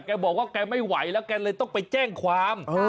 แกบอกว่าแกไม่ไหวแล้วแกเลยต้องไปแจ้งความ